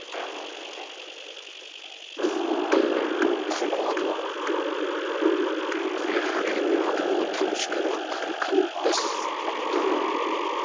このあとはやはり庭を楽しめる空間です